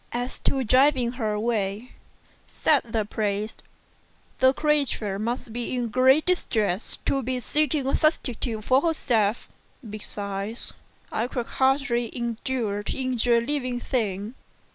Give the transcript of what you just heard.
"As to driving her away," said the priest, "the creature must be in great distress to be seeking a substitute for herself; 2 besides, I could hardly endure to injure a living thing."